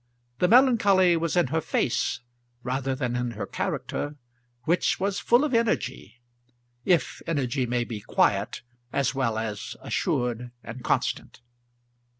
The melancholy was in her face rather than in her character, which was full of energy, if energy may be quiet as well as assured and constant.